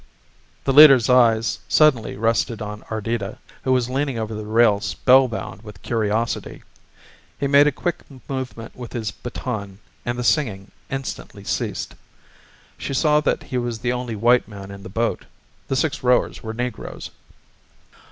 The leader's eyes suddenly rested on Ardita, who was leaning over the rail spellbound with curiosity. He made a quick movement with his baton and the singing instantly ceased. She saw that he was the only white man in the boat the six rowers were negroes.